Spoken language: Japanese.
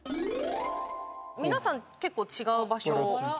皆さん、結構、違う場所を。